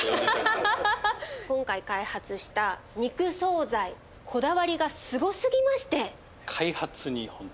今回開発した肉惣菜こだわりがすごすぎまして。